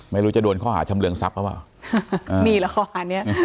ไม่รู้จะโดนข้อหาชำเรืองซับหรือเปล่า